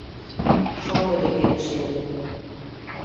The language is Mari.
Шоҥго деке лишеме.